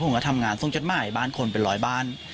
ผมก็ทำงานส่งจดหมายบ้านคนเป็นร้อยบ้าน